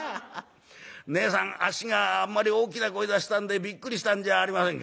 『ねえさんあっしがあんまり大きな声出したんでびっくりしたんじゃありませんか？』